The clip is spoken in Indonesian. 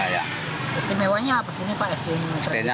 istimewanya apa sih ini pak es krim tradisional